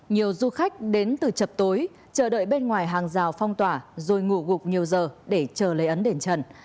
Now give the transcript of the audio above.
nhiều du khách đến từ chập tối chờ đợi bên ngoài hàng rào phong tỏa rồi ngủ gục nhiều giờ để chờ lấy ấn đền trần